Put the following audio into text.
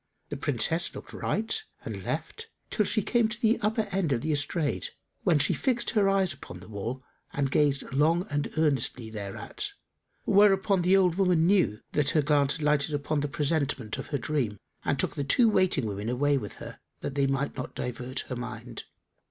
The Princess looked right and left, till she came to the upper end of the estrade, when she fixed her eyes upon the wall and gazed long and earnestly thereat; whereupon the old woman knew that her glance had lighted on the presentment of her dream and took the two waiting women away with her, that they might not divert her mind.